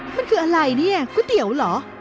มันคืออะไรเนี่ยก๋วยเตี๋ยวเหรอ